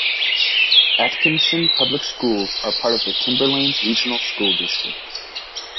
Atkinson Public Schools are part of the Timberlane Regional School District.